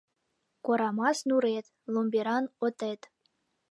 Корамас нурет - ломберан отет